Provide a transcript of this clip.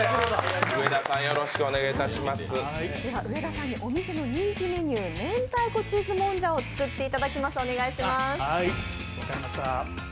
上田さんにお店の人気メニュー明太子チーズもんじゃを作ってもらいます。